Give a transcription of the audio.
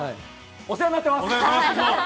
お世話になってます！